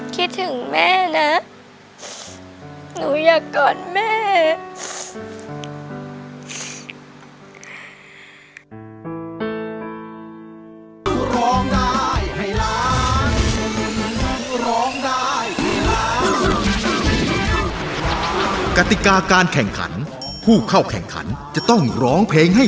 คิดถึงแม่นะหนูอยากกอดแม่